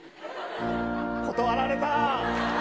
断られた。